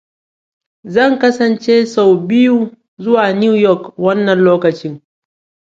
Zan kasance sau biyu zuwa New York wannan lokacin.